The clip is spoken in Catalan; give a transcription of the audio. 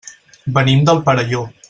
Venim del Perelló.